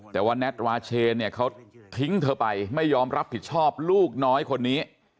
แต่ว่าแน็ตวาเชนเนี่ยเขาทิ้งเธอไปไม่ยอมรับผิดชอบลูกน้อยคนนี้